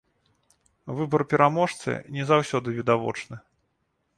Выбар пераможцы не заўсёды відавочны.